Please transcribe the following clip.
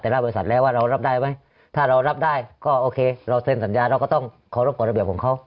แต่ละบริษัทแล้วว่าเรารับได้ไหมถ้าเรารับได้ก็โอเคเราเซ็นสัญญาเราก็ต้องเคารพกฎระเบียบของเขา